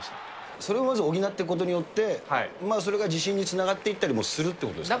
それを補っていくことによって、それが自信につながっていったりもするってことですか。